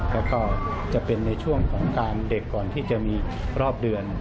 แล้วก็จะเป็นในช่วงของการเด็กก่อนที่จะมีรอบเดือน